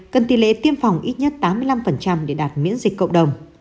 cần tỷ lệ tiêm phòng ít nhất tám mươi năm để đạt miễn dịch cộng đồng